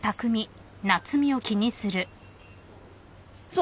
そう。